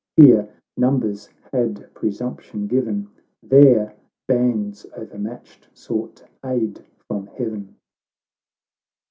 — Here, numbers had presumption given ; There, bands o'ermatched sought aid from Heaven.